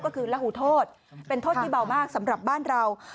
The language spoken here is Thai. ก็คือละหูโทษเป็นโทษที่เบามากสำหรับบ้านเรา